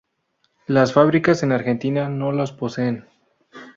Las fabricadas en Argentina no los poseen.